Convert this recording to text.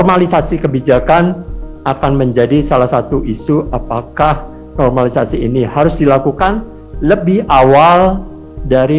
normalisasi kebijakan akan menjadi salah satu isu apakah normalisasi ini harus dilakukan lebih awal dari